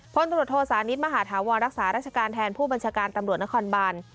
พทศมหาธาวรรษารักษาการแทนผู้บัญชาการตำรวจนครบาน